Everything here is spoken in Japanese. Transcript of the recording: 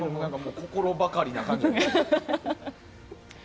心ばかりな感じが。